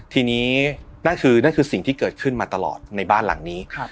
ทีนี้นั่นคือนั่นคือสิ่งที่เกิดขึ้นมาตลอดในบ้านหลังนี้